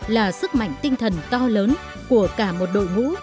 là sức mạnh tinh thần to lớn của cả một đội ngũ